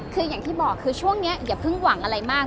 คืออย่างที่บอกคือช่วงนี้อย่าเพิ่งหวังอะไรมาก